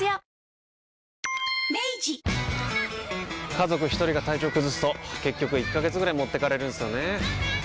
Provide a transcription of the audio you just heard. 家族一人が体調崩すと結局１ヶ月ぐらい持ってかれるんすよねー。